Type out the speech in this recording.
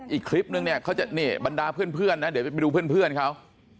อีกคลิปนึงเนี่ยเขาจะนี่บรรดาเพื่อนนะเดี๋ยวไปดูเพื่อนเขา